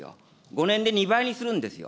５年で２倍にするんですよ。